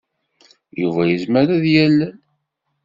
Yuba yezmer ad yalel.